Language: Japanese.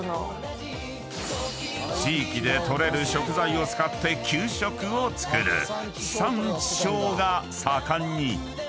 ［地域でとれる食材を使って給食を作る地産地消が盛んに］